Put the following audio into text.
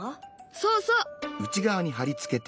そうそう。